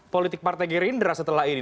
politik partai gerindra setelah ini